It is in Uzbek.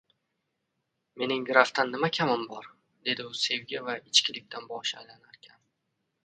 – Mening grafdan nima kamim bor? – dedi u sevgi va ichkilikdan boshi aylanarkan.